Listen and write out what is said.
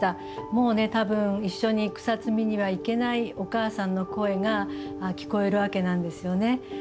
もう多分一緒に草摘みには行けないお母さんの声が聞こえるわけなんですよね。